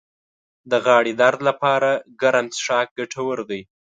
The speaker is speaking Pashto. د غاړې درد لپاره ګرم څښاک ګټور دی